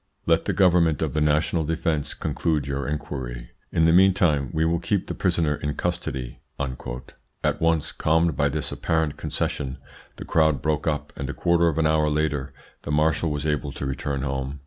Let the Government of the National Defence conclude your inquiry. In the meantime we will keep the prisoner in custody." At once calmed by this apparent concession, the crowd broke up, and a quarter of an hour later the Marshal was able to return home.